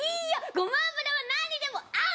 ごま油はなんにでも合う！